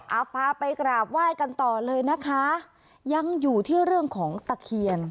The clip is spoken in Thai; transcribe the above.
เอาพาไปกราบไหว้กันต่อเลยนะคะยังอยู่ที่เรื่องของตะเคียน